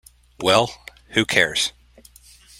Well, who cares?